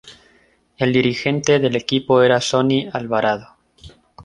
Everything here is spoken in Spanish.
El dirigente del equipo era "Sonny Alvarado".